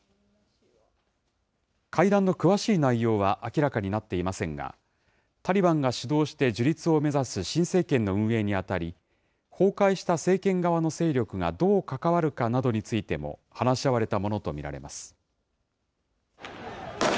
会談の詳しい内容は明らかになっていませんが、タリバンが主導して樹立を目指す新政権の運営にあたり、崩壊した政権側の勢力がどう関わるかなどについても、話し合われたものと見られます。